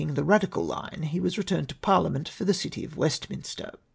321 the Radical line, he was returned to Parliament for the city of Westminster.